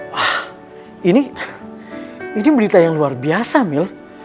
wah ini berita yang luar biasa mil